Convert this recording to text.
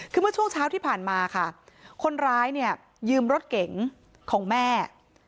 คือเมื่อช่วงเช้าที่ผ่านมาค่ะคนร้ายเนี่ยยืมรถเก๋งของแม่